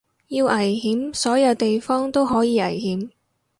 要危險所有地方都可以危險